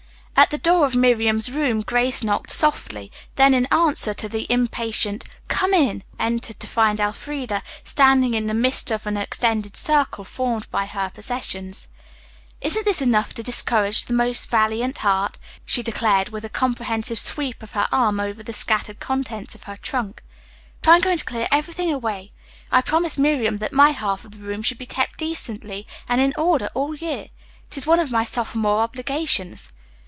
At the door of Miriam's room Grace knocked softly, then in answer to the impatient, "Come in," entered to find Elfreda standing in the midst of an extended circle formed by her possessions. "Isn't this enough to discourage the most valiant heart?" she declared, with a comprehensive sweep of her arm over the scattered contents of her trunk. "But I am going to clear everything away. I promised Miriam that my half of the room should be kept 'decently and in order' all year. It is one of my sophomore obligations."